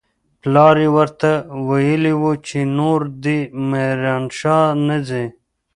پلار يې ورته ويلي و چې نور دې ميرانشاه نه ځي.